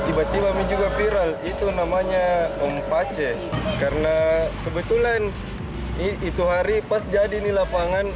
tiba tiba menjuga viral itu namanya om pace karena kebetulan itu hari pas jadi nih lapangan